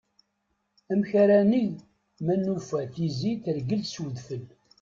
Amek ara neg ma nufa tizi tergel s udfel?